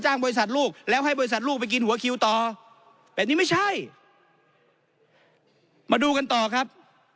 บริษัทลูกแล้วให้บริษัทลูกไปกินหัวคิวต่อแต่นี่ไม่ใช่มาดูกันต่อครับ